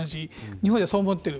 日本じゃ、そう思ってる。